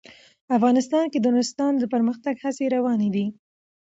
افغانستان کې د نورستان د پرمختګ هڅې روانې دي.